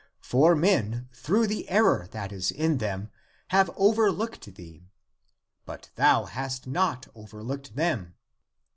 For men, through the error that is in them, have overlooked thee, but thou hast not overlooked them.